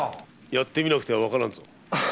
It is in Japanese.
やってみなくてはわからんぞ。